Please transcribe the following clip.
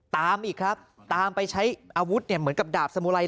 ตามอีกครับตามไปใช้อาวุธเนี่ยเหมือนกับดาบสมุไร